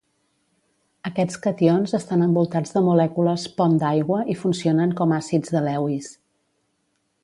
Aquests cations estan envoltats de molècules pont d'aigua i funcionen com àcids de Lewis.